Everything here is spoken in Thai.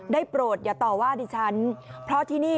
โปรดอย่าต่อว่าดิฉันเพราะที่นี่